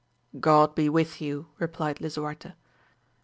God be with you, replied Lisuarte.